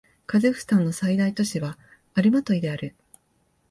カザフスタンの最大都市はアルマトイである